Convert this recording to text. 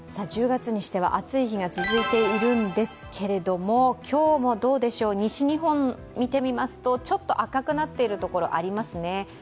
１０月にしては暑い日が続いているんですけれども、今日もどうでしょう、西日本を見てみますとちょっと赤くなっているところがありますね。